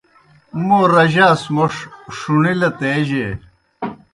موں رجاس موݜ ݜُݨِلَت اے جے؟